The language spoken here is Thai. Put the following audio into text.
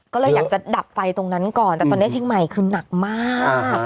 ก็เลยอยากจะดับไฟตรงนั้นก่อนแต่ตอนนี้เชียงใหม่คือหนักมาก